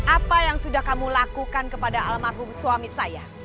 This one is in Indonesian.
apa yang sudah kamu lakukan kepada almarhum suami saya